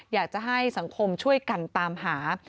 อยากจะให้สังคมช่วยกันตามหา